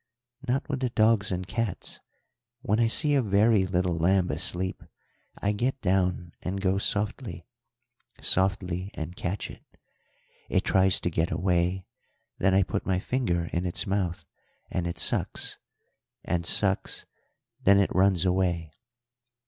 "Not with the dogs and cats. When I see a very little lamb asleep I get down and go softly, softly and catch it. It tries to get away; then I put my finger in its mouth, and it sucks, and sucks; then it runs away."